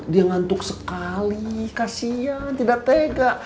dia ngantuk sekali kasian tidak tega